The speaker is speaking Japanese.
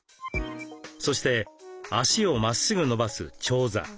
そして足をまっすぐ伸ばす長座。